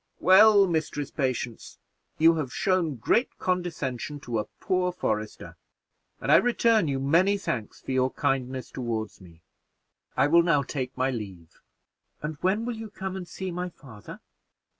"Well, Mistress Patience, you have shown great condescension to a poor forester, and I return you many thanks for your kindness toward me: I will now take my leave." "And when will you come and see my father?"